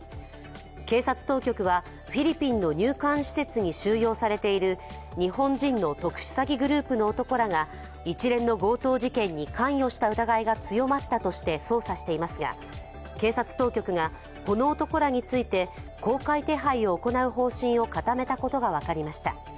警察当局はフィリピンの入管施設に収容されている日本人の特殊詐欺グループの男らが一連の強盗事件に関与した疑いが強まったとして捜査していますが警察当局がこの男らについて公開手配を行う方針を固めたことが分かりました。